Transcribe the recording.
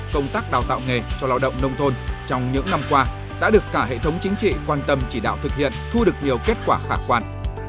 công tác đào tạo nghề cho lao động nông thôn trong những năm qua đã được cả hệ thống chính trị quan tâm chỉ đạo thực hiện thu được nhiều kết quả khả quan